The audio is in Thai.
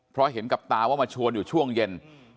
เพราะเห็นกับตาว่ามาชวนอยู่ช่วงเย็น